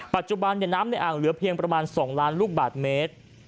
ปัจจุบันน้ำในอ่างเหลือเพียงประมาณ๒ล้านลูกบาทเมตร